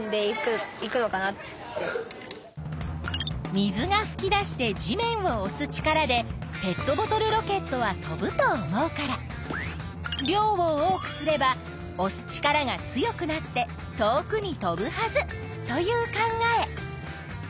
「水がふき出して地面をおす力でペットボトルロケットは飛ぶと思うから量を多くすればおす力が強くなって遠くに飛ぶはず」という考え。